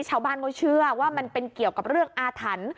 ชาวบ้านเขาเชื่อว่ามันเป็นเกี่ยวกับเรื่องอาถรรพ์